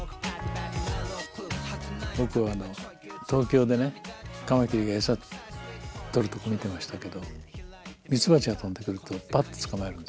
僕は東京でねカマキリが餌取るとこ見てましたけど蜜蜂が飛んでくるとばっと捕まえるんですね。